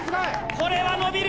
これは伸びる！